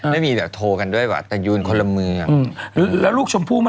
ไม่มีแบบโทกันด้วยแหละ